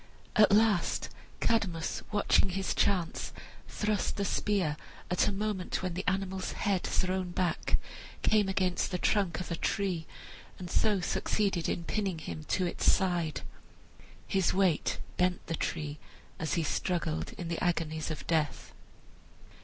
At last Cadmus, watching his chance, thrust the spear at a moment when the animal's head thrown back came against the trunk of a tree, and so succeeded in pinning him to its side. His weight bent the tree as he struggled in the agonies of death.